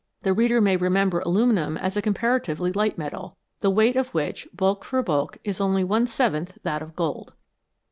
The reader may remember aluminium as a comparatively light metal, the weight of which, bulk for bulk, is only one seventh of that of gold.